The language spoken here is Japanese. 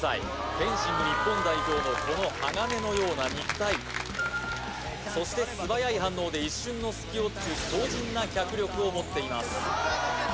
フェンシング日本代表のこの鋼のような肉体そして素早い反応で一瞬の隙を突く強靭な脚力を持っています